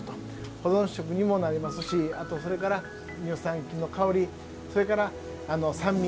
保存食にもなりますしあと、乳酸菌の香りそれから、酸味。